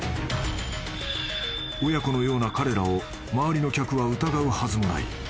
［親子のような彼らを周りの客は疑うはずもない］